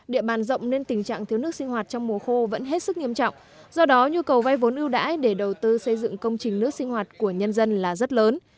địa bàn rộng nên tình trạng thiếu nước sinh hoạt trong mùa khô vẫn hết sức nghiêm trọng do đó nhu cầu vay vốn ưu đãi để đầu tư xây dựng công trình nước sinh hoạt của nhân dân là rất lớn